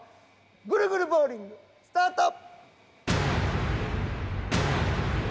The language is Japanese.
ぐるぐるボウリングスタート！